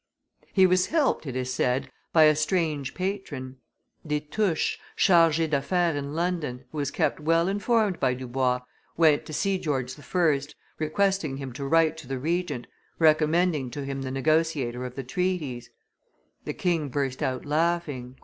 He was helped, it is said, by a strange patron. Destouches, charge d'affaires in London, who was kept well informed by Dubois, went to see George I., requesting him to write to the Regent, recommending to him the negotiator of the treaties. The king burst out laughing.